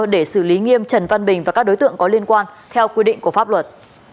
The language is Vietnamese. để xử lý nghiêm trần văn bình và các đối tượng có liên quan theo quy định của pháp luật